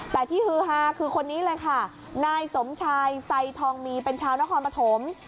แต่ที่ฮือฮาคือคนนี้เลยค่ะนายสมชายไซทองมีเป็นชาวนครปฐม